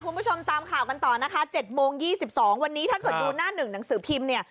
คุณผู้ชมตามข่าวกันต่อนะคะ๗โมง๒๒วันนี้ถ้าเกิดดูหน้าหนึ่งหนังสือพิมพ์เนี่ย